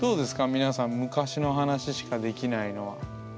皆さん昔の話しかできないのは。